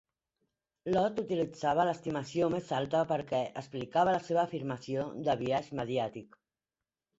Lott utilitzava l'estimació més alta perquè explicava la seva afirmació de biaix mediàtic.